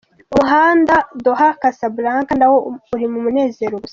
Umuhanda Doha-Casablanca nawo wari umunezero gusa.